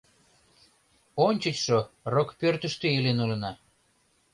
Ончычшо рокпӧртыштӧ илен улына.